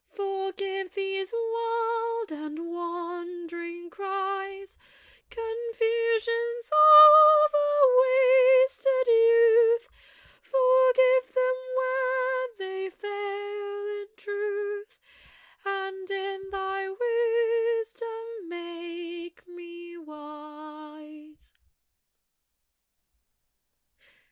Forgive these wild and wandering cries, Confusions of a wasted youth; Forgive them where they fail in truth, And in thy wisdom make me wise.